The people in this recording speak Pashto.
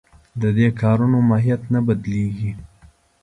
د دې کارونو ماهیت نه بدلېږي.